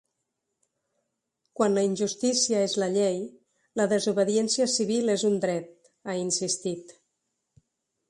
Quan la injustícia és la llei, la desobediència civil és un dret, ha insistit.